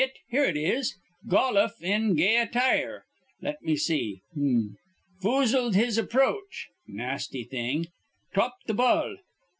Here it is: 'Goluf in gay attire.' Let me see. H'm. 'Foozled his aproach,' nasty thing. 'Topped th' ball.'